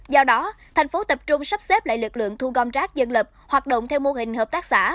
do đó thành phố tập trung sắp xếp lại lực lượng thu gom rác dân lập hoạt động theo mô hình hợp tác xã